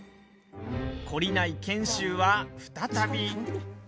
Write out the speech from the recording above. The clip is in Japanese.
懲りない賢秀は再び。